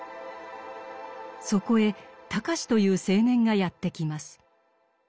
そこへ隆という青年がやって来ます。